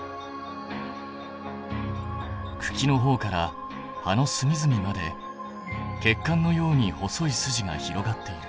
くきのほうから葉のすみずみまで血管のように細い筋が広がっている。